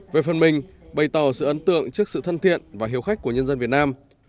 về phần mình bày tỏ sự ấn tượng trước sự thân thiện và hiếu khách của nhân dân việt nam